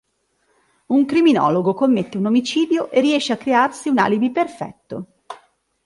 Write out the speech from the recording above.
Un criminologo commette un omicidio e riesce a crearsi un alibi perfetto.